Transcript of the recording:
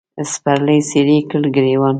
سپرلي څیرې کړ ګرېوان